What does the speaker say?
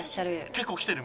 結構きてる？